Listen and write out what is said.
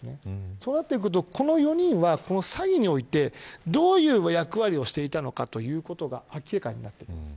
そうなってくるとこの４人は詐欺においてどういう役割をしていたということが明らかになってきます。